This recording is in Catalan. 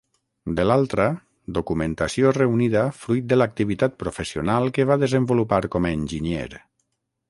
De l'altra, documentació reunida fruit de l'activitat professional que va desenvolupar com a enginyer.